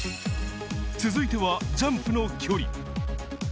続いてはジャンプの距離。